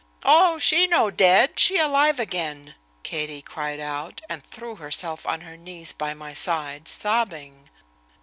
"Oh, she no dead, she alive again!" Katie cried out, and threw herself on her knees by my side, sobbing.